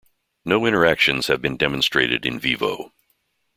No interactions have been demonstrated "in vivo".